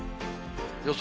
予想